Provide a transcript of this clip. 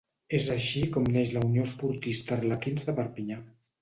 És així com neix la Unió Esportista Arlequins de Perpinyà.